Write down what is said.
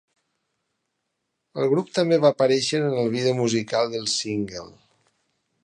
El grup també va aparèixer en el vídeo musical del single.